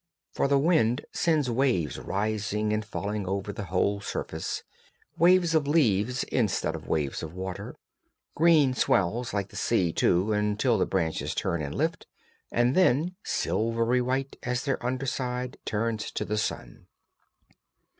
For the wind sends waves rising and falling over the whole surface, waves of leaves instead of waves of water, green swells like the sea, too, until the branches turn and lift, and then silvery white as their underside turns to the sun.